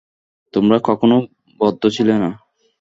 তোমরা কখনও বদ্ধ ছিলে না।